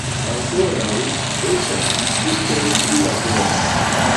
Ankoraŭ estas diskutoj pri la vero.